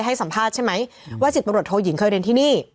ให้สัมภาษณ์ใช่ไหมว่า๑๐ตำรวจโทยิงเคยเรียนที่นี่